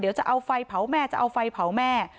เดี๋ยวจะเอาไฟเผาแม่จะเอาไฟเผาแม่